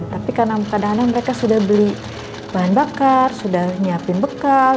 tapi karena kadang kadang mereka sudah beli bahan bakar sudah nyiapin bekal